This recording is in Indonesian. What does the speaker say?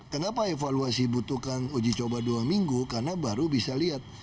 kenapa evaluasi butuhkan uji coba dua minggu karena baru bisa lihat